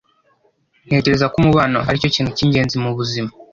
Ntekereza ko umubano aricyo kintu cyingenzi mubuzima.